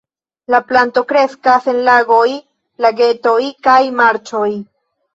La planto kreskas en lagoj, lagetoj kaj marĉoj.